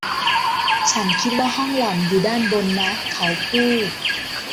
ฉันคิดว่าห้องหล่อนอยู่ด้านบนนะ เขาพูด